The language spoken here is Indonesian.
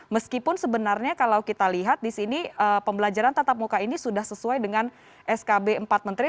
meskipun sebenarnya kalau kita lihat di sini pembelajaran tatap muka ini sudah sesuai dengan skb empat menteri